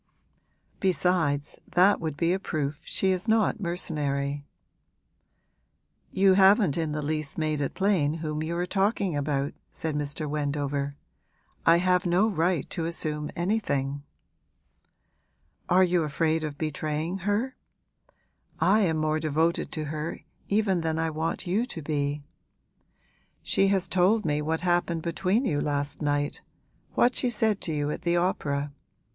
Besides, that would be a proof she is not mercenary.' 'You haven't in the least made it plain whom you are talking about,' said Mr. Wendover. 'I have no right to assume anything.' 'Are you afraid of betraying her? I am more devoted to her even than I want you to be. She has told me what happened between you last night what she said to you at the opera.